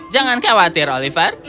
jangan khawatir oliver